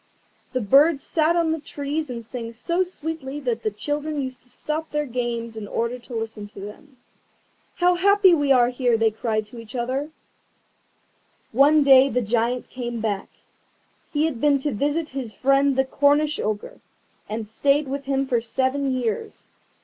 The birds sat on the trees and sang so sweetly that the children used to stop their games in order to listen to them. "How happy we are here!" they cried to each other. [Picture: Decorative graphic of children in garden] One day the Giant came back. He had been to visit his friend the Cornish ogre, and had stayed with him for seven years.